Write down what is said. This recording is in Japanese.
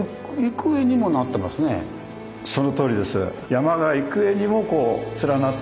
そのとおりです。